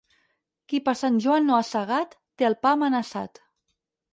Qui per Sant Joan no ha segat, té el pa amenaçat.